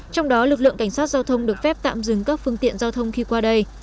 trong đó lực lượng cảnh sát giao thông được phép tạm dừng các phương tiện giao thông khi qua đây